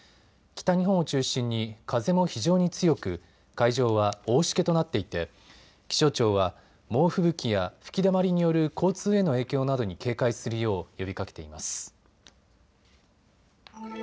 北日本を中心に風も非常に強く海上は大しけとなっていて気象庁は猛吹雪や吹きだまりによる交通への影響などに警戒するよう呼びかけています。